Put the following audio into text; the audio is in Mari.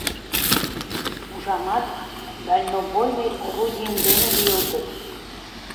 — Ужамат, дальнобойный орудийын дене лӱйылтыт.